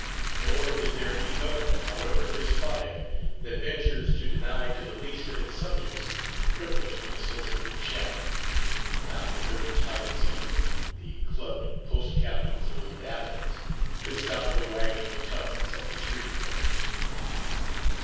Nor is there any government, however despotic, that ventures to deny to the least of its subjects the privilege of a sociable chat. Not the Thirty Tyrants even—the clubbed post captains of old Athens—could stop the wagging tongues at the street corners.